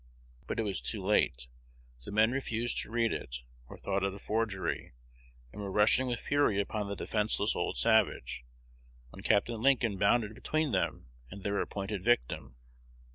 But it was too late: the men refused to read it, or thought it a forgery, and were rushing with fury upon the defenceless old savage, when Capt. Lincoln bounded between them and their appointed victim.